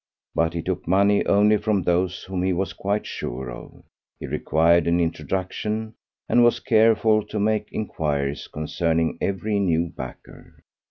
But he took money only from those whom he was quite sure of. He required an introduction, and was careful to make inquiries concerning every new backer.